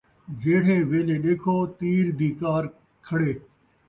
جیڑھے ویلھے ݙیکھو تیر دی کار کھڑے